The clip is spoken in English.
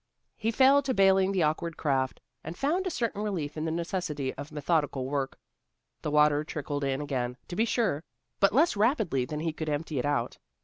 He fell to bailing the awkward craft, and found a certain relief in the necessity for methodical work. The water trickled in again, to be sure, but less rapidly than he could empty it out.